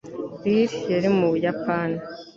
Bill yari mu Buyapani